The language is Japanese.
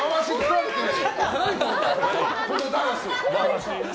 このダンス。